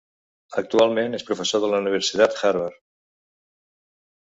Actualment és professor de la Universitat Harvard.